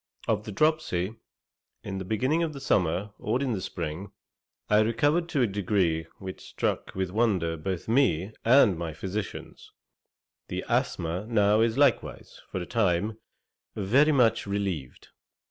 Of the dropsy, in the beginning of the summer, or in the spring, I recovered to a degree which struck with wonder both me and my physicians: the asthma now is likewise, for a time, very much relieved.